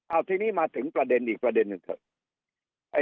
เอาทีนี้มาถึงประเด็นอีกประเด็นหนึ่งเถอะ